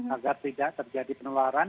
agar tidak terjadi peneluan